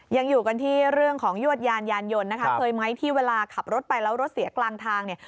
ยังอยู่กันที่เรื่องของยวดยานยานยนต์นะคะเคยไหมที่เวลาขับรถไปแล้วรถเสียกลางทางเนี่ย